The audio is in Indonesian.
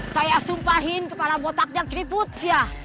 saya sumpahin kepala botaknya keribut ya